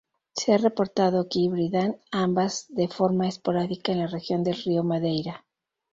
Se ha reportado que hibridan ambas, de forma esporádica, en la región del río Madeira.